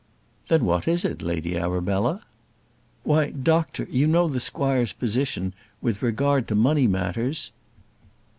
"Then what is it, Lady Arabella?" "Why, doctor, you know the squire's position with regard to money matters?"